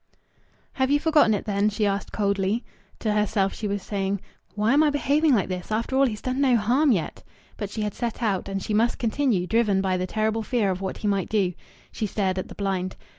"Have you forgotten it, then?" she asked coldly. To herself she was saying: "Why am I behaving like this? After all, he's done no harm yet." But she had set out, and she must continue, driven by the terrible fear of what he might do. She stared at the blind.